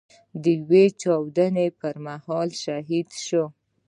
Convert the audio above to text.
د يوې چاودنې پر مهال شهيد شو.